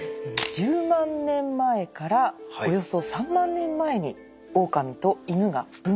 １０万年前からおよそ３万年前にオオカミとイヌが分化。